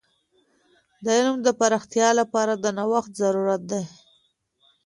د علم د پراختیا لپاره د نوښت ضرورت دی.